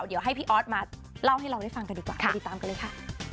เดี๋ยวให้พี่ออสมาเล่าให้เราได้ฟังกันดีกว่าไปติดตามกันเลยค่ะ